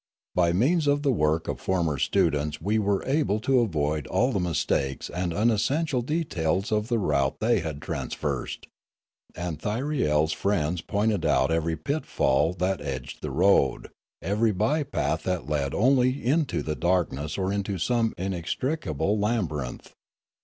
By means of the work of former students we were able to avoid all the mistakes and unessential details of the route they had traversed; and ThyriePs friends pointed out every pitfall that edged the road, every by path that led only into the darkness or into some inextricable labyrinth.